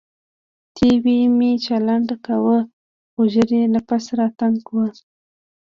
ټي وي مې چالاناوه خو ژر يې نفس راتنګاوه.